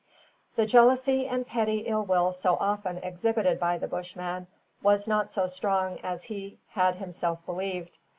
The jealousy and petty ill will so often exhibited by the Bushman was not so strong as he had himself believed.